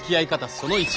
その１。